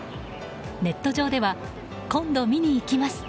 ネット上では今度見に行きます。